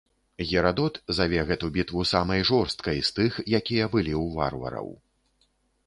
Герадот заве гэту бітву самай жорсткай з тых, якія былі ў варвараў.